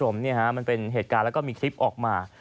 มันเป็นเหตุการณ์แล้วก็มีคลิปออกมา